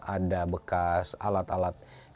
ada bekas alat alat